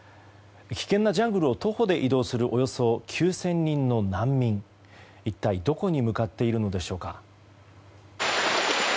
危険なジャングルを徒歩で移動するおよそ９０００人の難民一体どこに向かっているのでしょうか。